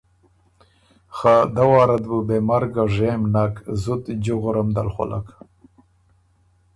خه دوارت بُو بېمرګه ژېم نک، زُت جُغر ام دل خولک۔